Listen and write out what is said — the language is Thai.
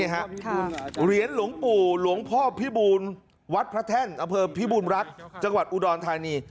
เหรียญหลวงปู่หลวงพ่อพิบูลวัดพระแท่นอเภอพิบูรณรักษ์จังหวัดอุดรธานี